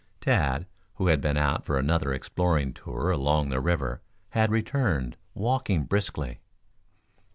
Tad, who had been out for another exploring tour along the river, had returned, walking briskly.